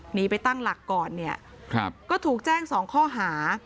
หนีไปตั้งหลักก่อนเนี่ยก็ถูกแจ้ง๒ข้อหา